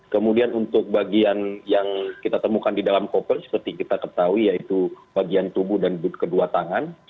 kemudian untuk bagian yang kita temukan di dalam koper seperti kita ketahui yaitu bagian tubuh dan kedua tangan